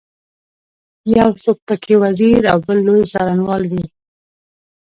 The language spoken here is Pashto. یو څوک په کې وزیر او بل لوی څارنوال وي.